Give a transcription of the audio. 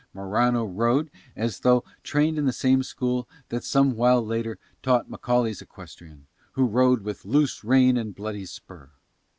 Morano rode as though trained in the same school that some while later taught Macaulay's equestrian, who rode with "loose rein and bloody spur."